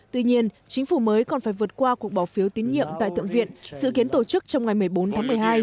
tuy nhiên chính phủ mới còn phải vượt qua cuộc bỏ phiếu tín nhiệm tại tượng viện dự kiến tổ chức trong ngày một mươi bốn tháng một mươi hai